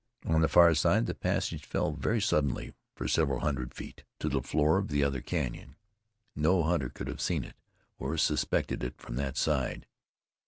On the far side, the passage fell very suddenly for several hundred feet to the floor of the other canyon. No hunter could have seen it, or suspected it from that side.